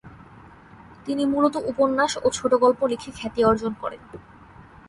তিনি মূলত উপন্যাস ও ছোটগল্প লিখে খ্যাতি অর্জন করেন।